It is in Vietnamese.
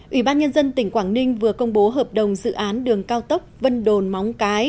ủy ban nhân dân tỉnh quảng ninh vừa công bố hợp đồng dự án đường cao tốc vân đồn móng cái